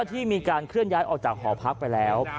ที่มีการเคลื่อนย้ายออกจากหอพักไปแล้ว